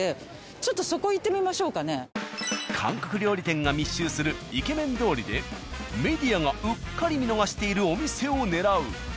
ちょっとそこ韓国料理店が密集するイケメン通りでメディアがうっかり見逃しているお店を狙う。